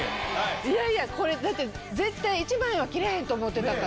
いやいやこれだって絶対１万円は切れへんと思ってたから。